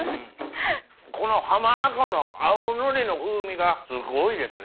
この浜名湖の青のりの風味がすごいですね。